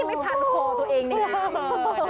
ไม่พัดโผล่ตัวเองด้วยนะ